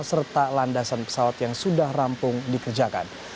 serta landasan pesawat yang sudah rampung dikerjakan